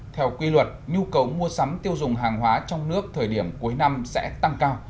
theo quy luật nhu cầu mua sắm tiêu dùng hàng hóa trong nước thời điểm cuối năm sẽ tăng cao